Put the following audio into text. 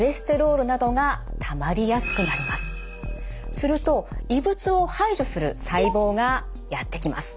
すると異物を排除する細胞がやって来ます。